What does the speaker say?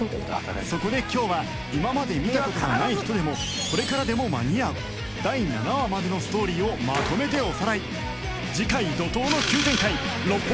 そこで今日は今まで見た事がない人でもこれからでも間に合う第７話までのストーリーをまとめておさらい！